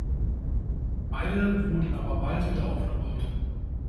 Beide wurden aber bald wieder aufgebaut.